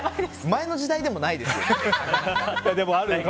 前の時代でもないですよね。